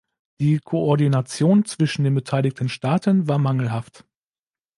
Die Koordination zwischen den beteiligten Staaten war mangelhaft.